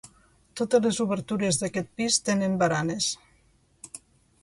Totes les obertures d'aquest pis tenen baranes.